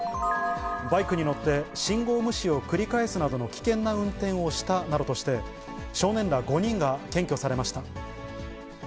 バイクに乗って信号無視を繰り返すなどの危険な運転をしたなどとして、少年ら５人が検挙されました。